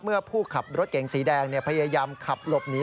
ผู้ขับรถเก๋งสีแดงพยายามขับหลบหนี